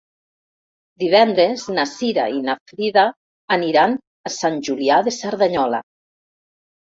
Divendres na Cira i na Frida aniran a Sant Julià de Cerdanyola.